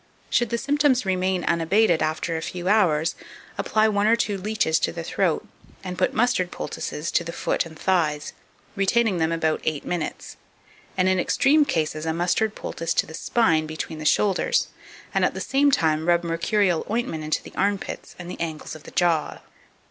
2572. Should the symptoms remain unabated after a few hours, apply one or two leeches to the throat, and put mustard poultices to the foot and thighs, retaining them about eight minutes; and, in extreme cases, a mustard poultice to the spine between the shoulders, and at the same time rub mercurial ointment into the armpits and the angles of the jaws.